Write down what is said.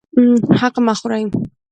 حق مه خورئ